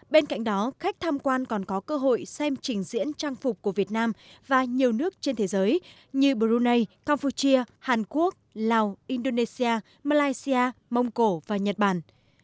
bên cạnh đó khách tham quan còn có cơ hội xem trình diễn trang phục của việt nam và nhiều nước trên thế giới như brunei campuchia hàn quốc lào indonesia malaysia mông cổ và nhật bản